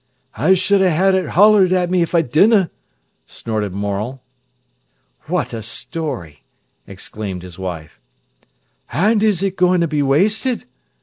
"I should ha'e it holled at me if I didna," snorted Morel. "What a story!" exclaimed his wife. "An' is it goin' to be wasted?"